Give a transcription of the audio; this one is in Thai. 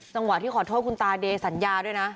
จังหวะที่ขอโทษคุณตาเดสัญญาด้วยนะ